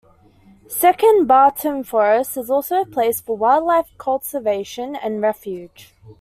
Second, Bartram Forest is also a place for wildlife cultivation and refuge.